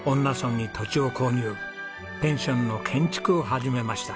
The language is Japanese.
ペンションの建築を始めました。